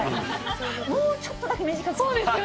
もうちょっとだけ短いほうが。